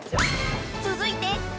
［続いて］